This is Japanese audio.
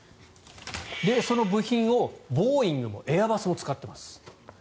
その部品をボーイングもエアバスも使ってます。